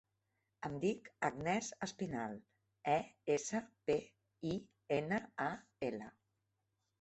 Em dic Agnès Espinal: e, essa, pe, i, ena, a, ela.